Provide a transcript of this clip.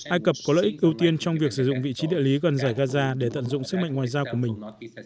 ai cập có lợi ích ưu tiên trong việc sử dụng vị trí địa lý gần giải gaza để tận dụng sức mạnh ngoại giao của mình